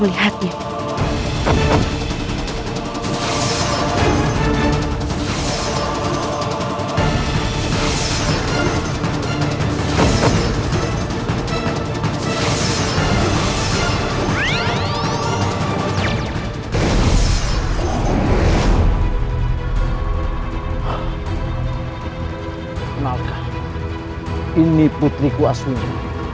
ini putriku aswini